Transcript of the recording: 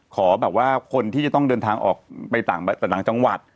ขอแบบว่าคนที่จะต้องเดินทางออกไปต่างจังหวัด